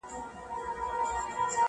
ما یوه شېبه لا بله ځنډولای!